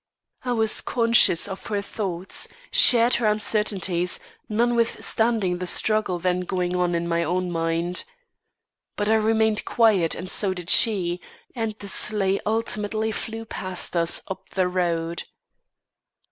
I was conscious of her thoughts, shared her uncertainties, notwithstanding the struggle then going on in my own mind. But I remained quiet and so did she, and the sleigh ultimately flew past us up the road.